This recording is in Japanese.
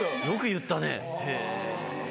よく言ったね。